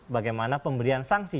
bagaimana pemberian sanksi